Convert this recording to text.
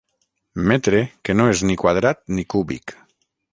Metre que no és ni quadrat ni cúbic.